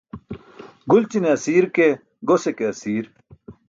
Gulćine asiir ke gose ke asiir.